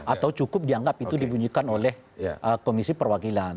atau cukup dianggap itu dibunyikan oleh komisi perwakilan